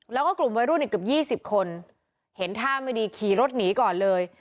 แล้วก็กลุ่มมัยรุ่นอีกกับยี่สิบคนเห็นทางไม่ดีขี่รถหนีก่อนเลย